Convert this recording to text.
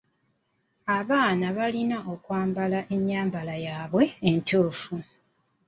Abaana balina okwambala ennyamba yaabwe entuufu.